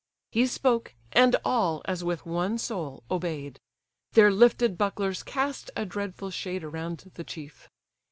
He spoke, and all, as with one soul, obey'd; Their lifted bucklers cast a dreadful shade Around the chief.